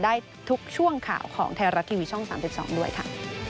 ได้ทุกช่วงข่าวของไทยรัฐทีวีช่อง๓๒ด้วยค่ะ